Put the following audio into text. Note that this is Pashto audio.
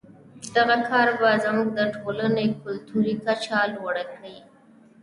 دغه کار به زموږ د ټولنې کلتوري کچه لوړه کړي.